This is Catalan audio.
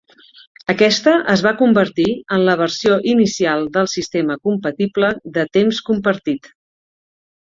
Aquesta es va convertir en la versió inicial del sistema compatible de temps compartit.